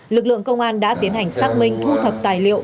lực lượng công an đã tiến hành xác minh thu thập tài liệu